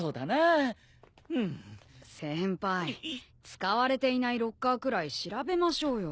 使われていないロッカーくらい調べましょうよ。